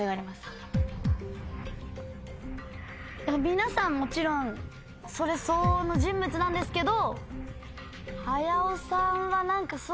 皆さんもちろんそれ相応の人物なんですけど。